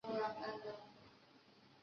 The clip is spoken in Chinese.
黄光裕现羁押于北京市第二监狱。